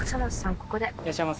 ここでいらっしゃいませ